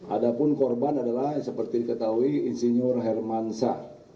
ada pun korban adalah seperti diketahui insinyur hermansa